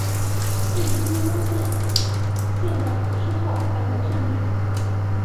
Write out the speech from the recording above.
日军攻陷陷港之后返回上海。